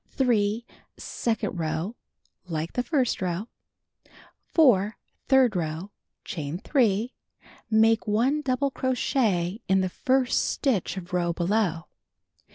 3. Second row: Like the first row. 4. Third row: Chain 3. Make 1 double crochet in the first stitch of row below.